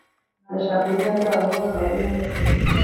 ndashaka izina ryabantu bose bari hano ejo